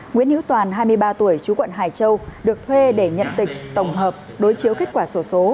nguyễn hữu toàn hai mươi ba tuổi chú quận hải châu được thuê để nhận tịch tổng hợp đối chiếu kết quả sổ số